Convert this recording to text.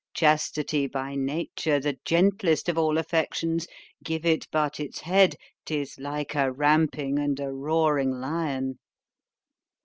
—Chastity, by nature, the gentlest of all affections—give it but its head——'tis like a ramping and a roaring lion.